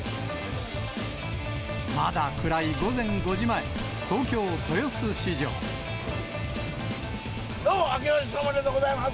まだ暗い午前５時前、どうも、あけましておめでとうございます。